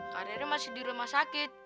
kak rere masih di rumah sakit